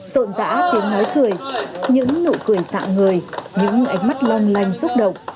sộn rã tiếng nói cười những nụ cười sạng người những ánh mắt long lanh xúc động